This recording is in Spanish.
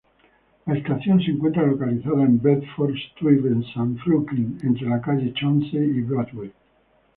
La estación se encuentra localizada en Bedford-Stuyvesant, Brooklyn entre la Calle Chauncey y Broadway.